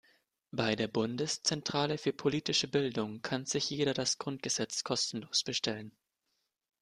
Bei der Bundeszentrale für politische Bildung kann sich jeder das Grundgesetz kostenlos bestellen.